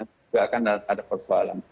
tidak akan ada persoalan